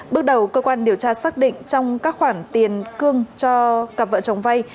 bước đầu cơ quan điều tra xác định trong các khoản tiền cương cho cặp vợ chồng vay